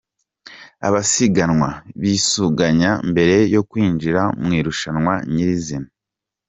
Abasiganwa bisuganya mbere yo kwinjira mu irushanwa nyirizina.